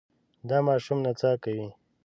دا ماشوم نڅا کوي.